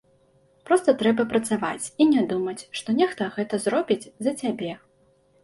Проста трэба працаваць і не думаць, што нехта гэта зробіць за цябе.